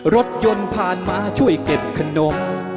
รถยนต์ผ่านมาช่วยเก็บขนม